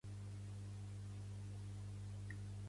Pertany al moviment independentista la Chusa?